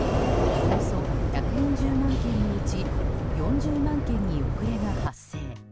およそ１４０万件のうち４０万件に遅れが発生。